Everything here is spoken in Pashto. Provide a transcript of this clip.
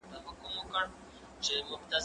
زه اجازه لرم چي ښوونځی ته ولاړ سم،